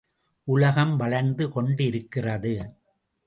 உலகம் வளர்ந்து கொண்டிருக்கிறது.